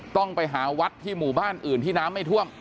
ต้องไปหาวัดที่หมู่บ้านอื่นที่น้ำไม่ท่วม